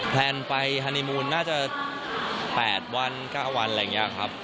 แพลนไปฮานีมูลน่าจะ๘วัน๙วันอะไรอย่างนี้ครับ